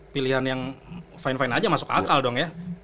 pilihan yang fine fine aja masuk akal dong ya